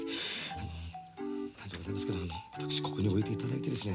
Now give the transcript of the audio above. あの何でございますけどあの私ここに置いて頂いてですね